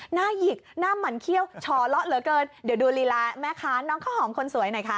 หยิกหน้าหมั่นเขี้ยวช่อเลาะเหลือเกินเดี๋ยวดูลีลาแม่ค้าน้องข้าวหอมคนสวยหน่อยค่ะ